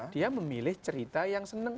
dia memilih cerita yang senang